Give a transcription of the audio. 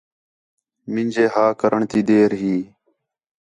مینجے ہا کرݨ تی دیر ہی